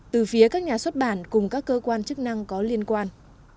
từ phía các nhà xuất bản cùng các cơ quan chức năng có liên quan